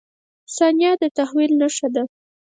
• ثانیه د تحول نښه ده.